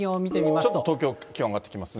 ちょっと東京、気温上がってきてますね。